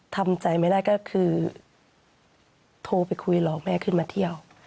ทำใจไม่ได้ก็คือโทรไปคุยหลอกแม่ขึ้นมาเที่ยว